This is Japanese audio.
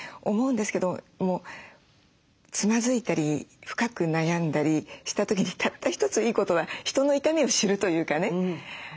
思うんですけどもつまずいたり深く悩んだりした時にたった一ついいことは人の痛みを知るというかね。